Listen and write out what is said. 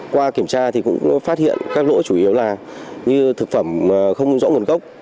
qua kiểm tra thì cũng phát hiện các lỗ chủ yếu là như thực phẩm không rõ nguồn gốc